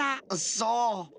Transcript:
そう。